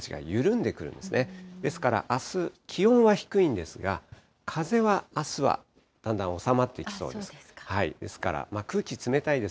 ですから、あす、気温は低いんですが、風はあすはだんだん収まってきそうです。